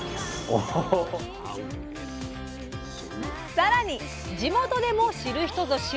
さらに地元でも知る人ぞ知る